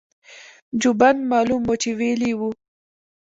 جوبن معلوم وو چې وييلي يې وو-